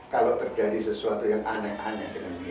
kalau terjadi sesuatu yang aneh aneh dengan dia